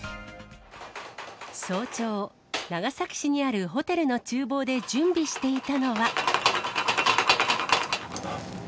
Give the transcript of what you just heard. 早朝、長崎市にあるホテルのちゅう房で準備していたのは。